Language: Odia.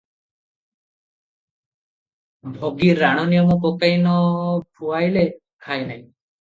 ଭଗି ରାଣ ନିୟମ ପକାଇ ନ ଖୁଆଇଲେ ଖାଏ ନାହିଁ ।